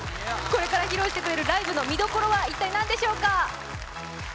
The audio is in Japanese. これから披露してくれるライブの見所は一体なんでしょうか？